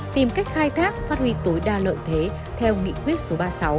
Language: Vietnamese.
tìm cách khai thác phát huy tối đa lợi thế theo nghị quyết số ba mươi sáu